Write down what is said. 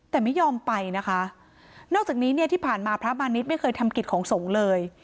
แต่ไม่ยอมไปนะคะนอกจากนี้เนี่ยที่ผ่านมาพระมาณิชย์ไม่เคยทำกิจของสงฆ์เลย